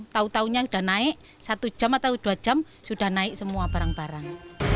tahu tahunya sudah naik satu jam atau dua jam sudah naik semua barang barang